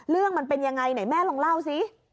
มันเป็นยังไงไหนแม่ลองเล่าสิ